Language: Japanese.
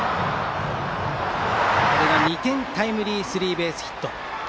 これが２点タイムリースリーベースヒット。